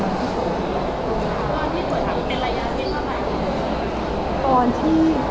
ตอนที่ตรวจถังเป็นระยะที่เมื่อไหร่ที่ไหน